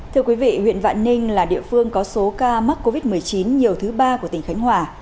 thưa quý vị huyện vạn ninh là địa phương có số ca mắc covid một mươi chín nhiều thứ ba của tỉnh khánh hòa